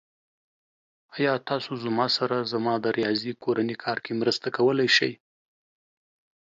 ایا تاسو زما سره زما د ریاضی کورنی کار کې مرسته کولی شئ؟